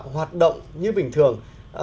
hoạt động như bình thường